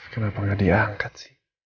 kenapa nggak diangkat